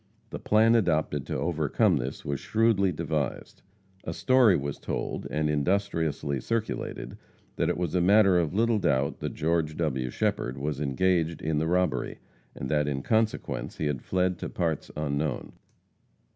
The plan adopted to overcome this was shrewdly devised. A story was told, and industriously circulated, that it was a matter of little doubt that George W. Shepherd was engaged in the robbery, and that in consequence he had fled to parts unknown.